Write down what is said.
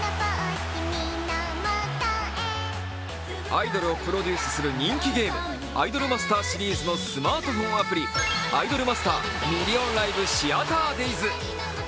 アイドルをプロデュースする人気ゲーム、「アイドルマスター」シリーズのスマートフォンアプリ「アイドルマスターミリオンライブ！シアターデイズ」。